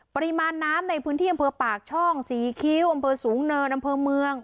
ปริมาณน้ำในพื้นที่อำเภอปากช่องศรีคิ้วอำเภอสูงเนินอำเภอเมือง